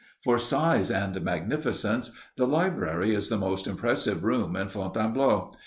For size and magnificence the library is the most impressive room in Fontainebleau.